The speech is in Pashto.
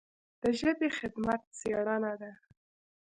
د ژبې خدمت څېړنه ده.